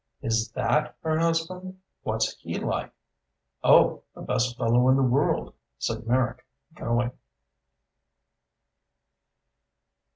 "Is that her husband? What's he like?" "Oh, the best fellow in the world," said Merrick, going.